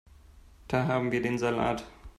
Da haben wir den Salat.